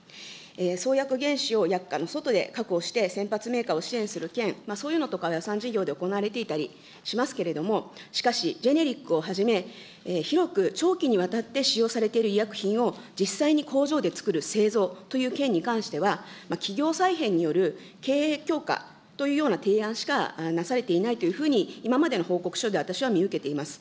創薬原資を薬価の外で確保して、先発メーカーを支援する件、そういうのとかが事業で行われていたりしますけれども、しかし、ジェネリックをはじめ、広く長期にわたって使用されている医薬品を実際に工場で作る製造という件に関しては、企業再編による経営強化というような提案しかなされていないというふうに、今までの報告書で私は見受けています。